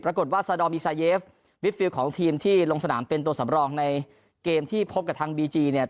ปรากฏว่าซาดอลมีซาเยฟมิดฟิลของทีมที่ลงสนามเป็นตัวสำรองในเกมที่พบกับทางบีจีเนี่ย